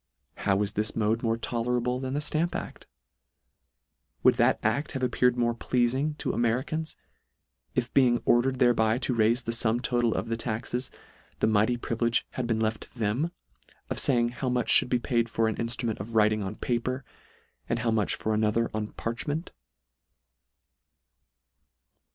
How is this mode more tolerable than the Stamp act ? Would that act have appeared more pleafing to A M e r i c a n s, if being ordered thereby to raife the fum total of the taxes, the mighty privilege had been left to them, of faying how much fhould be paid for an inftrument of writing on paper, and how much for another on parchment